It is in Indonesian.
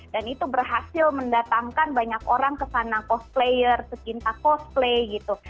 dan itu berhasil mendatangkan banyak orang ke sana cosplayer kecinta cosplay gitu